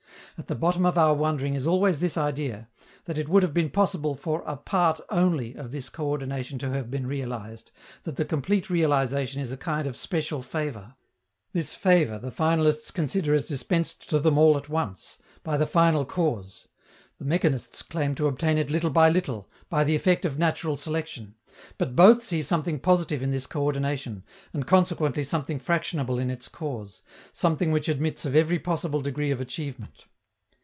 At the bottom of our wondering is always this idea, that it would have been possible for a part only of this coördination to have been realized, that the complete realization is a kind of special favor. This favor the finalists consider as dispensed to them all at once, by the final cause; the mechanists claim to obtain it little by little, by the effect of natural selection; but both see something positive in this coördination, and consequently something fractionable in its cause, something which admits of every possible degree of achievement.